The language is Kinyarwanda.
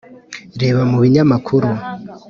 reba mu binyamakuru